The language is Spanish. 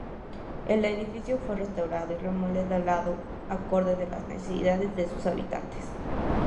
El edificio fue restaurado y remodelado acorde a las necesidades de sus habitantes.